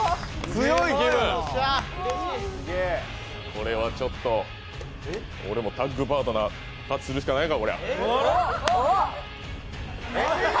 これはちょっと俺もタッグパートナー次ぐしかないか。